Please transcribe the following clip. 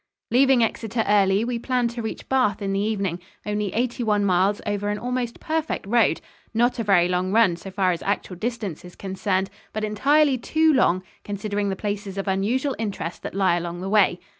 Leaving Exeter early, we planned to reach Bath in the evening only eighty one miles over an almost perfect road not a very long run so far as actual distance is concerned, but entirely too long considering the places of unusual interest that lie along the way.